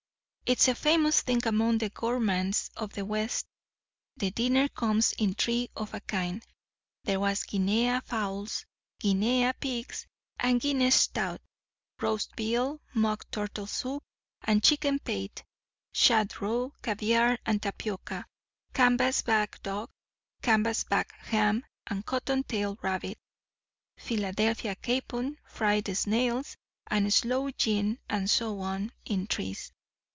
It's a famous thing among the gormands of the West. The dinner comes in threes of a kind. There was guinea fowls, guinea pigs, and Guinness's stout; roast veal, mock turtle soup, and chicken pâté; shad roe, caviar, and tapioca; canvas back duck, canvas back ham, and cotton tail rabbit; Philadelphia capon, fried snails, and sloe gin—and so on, in threes.